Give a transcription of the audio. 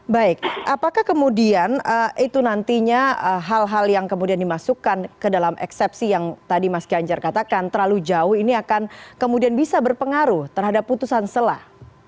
baik apakah kemudian itu nantinya hal hal yang kemudian dimasukkan ke dalam eksepsi yang tadi mas ganjar katakan terlalu jauh ini akan kemudian bisa berpengaruh terhadap putusan selah